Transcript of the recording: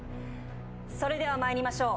それでは参りましょう。